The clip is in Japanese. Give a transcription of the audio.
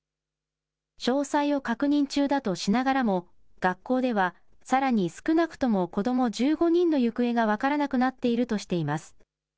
詳細を確認中だとしながらも、学校では、さらに少なくとも子ども１５人の行方が分からなくなっているとしています。